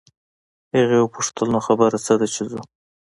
هغې وپوښتل نو خبره څه ده چې ځو.